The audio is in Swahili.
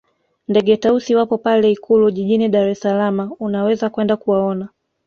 Ndege Tausi wapo pale ikulu jijini dar es salama unaweza kwenda kuwaona